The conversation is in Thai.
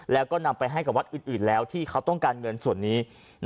แล้วก็นำไปให้กับวัดอื่นแล้วที่เขาต้องการเงินส่วนนี้